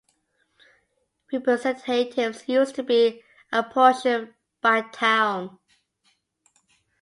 Representatives used to be apportioned by town.